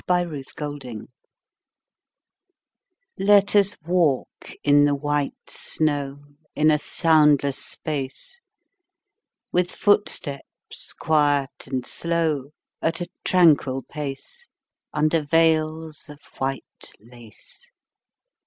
VELVET SHOES Let us walk in the white snow In a soundless space; With footsteps quiet and slow, At a tranquil pace, Under veils of white lace.